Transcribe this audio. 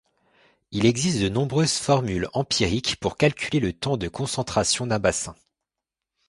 Il existe de nombreuses formules empiriques pour calculer le temps de concentration d'un bassin.